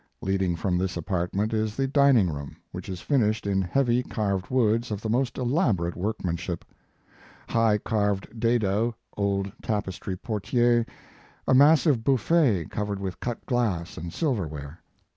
Leading from this apart ment is the dining room, which is finished in heavy carved woods of the most elab orate workmanship; high carved dado, old tapestry portieres, a massive buffet covered with cut glass and silverware.